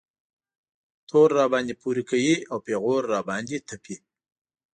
تور راباندې پورې کوي او پېغور را باندې تپي.